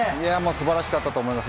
素晴らしかったと思います。